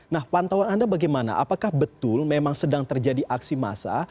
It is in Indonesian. nah pantauan anda bagaimana apakah betul memang sedang terjadi aksi massa